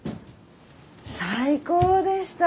最高でした！